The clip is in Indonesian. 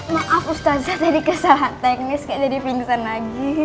maaf ustazah tadi kesalah teknis kayak jadi pingsan lagi